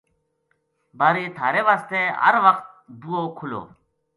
بارے تھہارے واسطے ہر وخت بوہو کھُلو